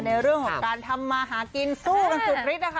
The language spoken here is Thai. ในเรื่องของการทำมาหากินสู้กันสุดฤทธินะคะ